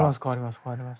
変わります。